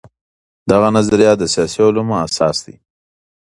دغه نظريات د سياسي علومو اساس دي.